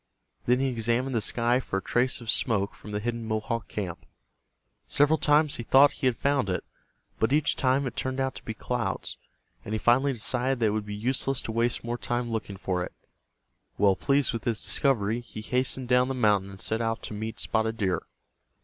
Then he examined the sky for a trace of smoke from the hidden Mohawk camp. Several times he thought he had found it, but each time it turned out to be clouds, and he finally decided that it would be useless to waste more time looking for it. Well pleased with his discovery, he hastened down the mountain and set out to meet Spotted Deer.